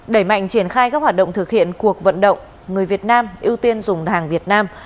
đẩy mạnh triển khai các hoạt động thực hiện cuộc vận động người việt nam ưu tiên dùng hàng việt nam